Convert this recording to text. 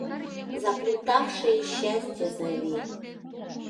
Заплутавшее счастье зови.